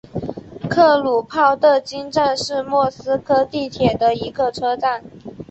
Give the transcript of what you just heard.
克鲁泡特金站是莫斯科地铁的一个车站。